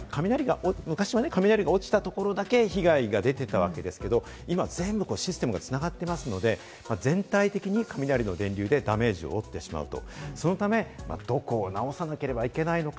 昔は雷が落ちたところだけ被害が出ていたわけですけど、今は全部、システムが繋がっているので、全体的に雷の電流でダメージが起きてしまうと。